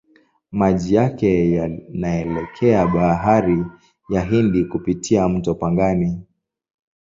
Maji yake yanaelekea Bahari ya Hindi kupitia mto Pangani.